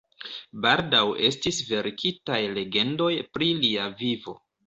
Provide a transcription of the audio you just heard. Baldaŭ estis verkitaj legendoj pri lia vivo.